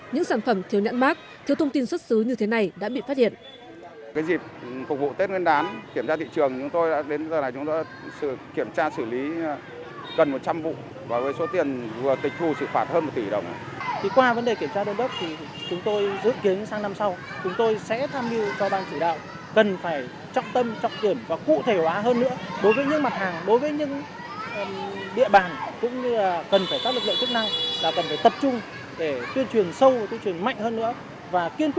những sản phẩm thiếu nhãn mát thiếu thông tin xuất xứ như thế này đã bị phát hiện